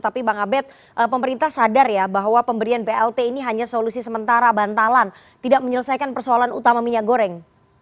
tapi bang abed pemerintah sadar ya bahwa pemberian blt ini hanya solusi sementara bantalan tidak menyelesaikan persoalan utama minyak goreng